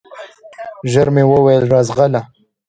ژر مي وویل ! راځغله